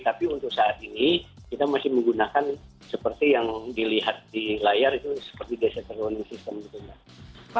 tapi untuk saat ini kita masih menggunakan seperti yang dilihat di layar itu seperti desain warning system gitu mbak